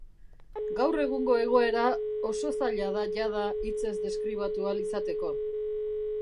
Gaur egungo egoera oso zaila da jada hitzez deskribatu ahal izateko.